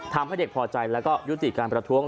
ทำให้เด็กพอใจแล้วก็ยุติการประท้วง